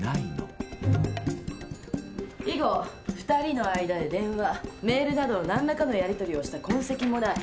以後二人の間で電話メールなどの何らかのやりとりをした痕跡もない。